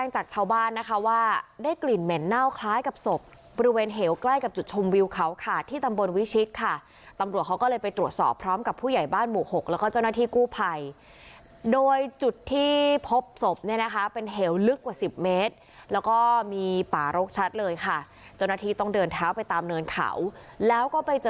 จากชาวบ้านนะคะว่าได้กลิ่นเหม็นเน่าคล้ายกับศพบริเวณเหวใกล้กับจุดชมวิวเขาขาดที่ตำบลวิชิตค่ะตำรวจเขาก็เลยไปตรวจสอบพร้อมกับผู้ใหญ่บ้านหมู่หกแล้วก็เจ้าหน้าที่กู้ภัยโดยจุดที่พบศพเนี่ยนะคะเป็นเหวลึกกว่าสิบเมตรแล้วก็มีป่ารกชัดเลยค่ะเจ้าหน้าที่ต้องเดินเท้าไปตามเนินเขาแล้วก็ไปเจอ